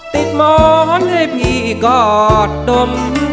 ติดม้อนให้พี่กอดดม